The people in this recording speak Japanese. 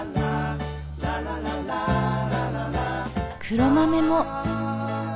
黒豆も。